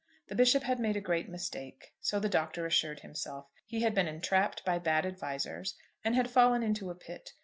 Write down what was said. The Bishop had made a great mistake. So the Doctor assured himself. He had been entrapped by bad advisers, and had fallen into a pit.